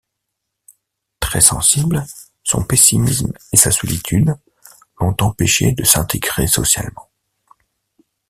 Très sensible, son pessimisme et sa solitude l'ont empêché de s'intégrer socialement.